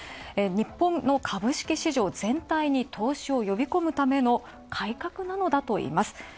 日本の株式市場全体に投資を呼び込むための改革なのだといいます。